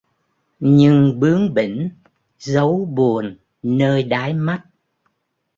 Nhưng bướng bỉnh giấu buồn nơi đáy mắt